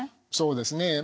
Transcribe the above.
そうですね。